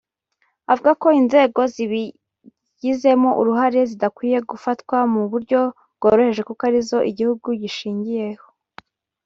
Avuga ko inzego zabigizemo uruhare zidakwiye gufatwa mu buryo bworoheje kuko ari zo igihugu gishingiyeho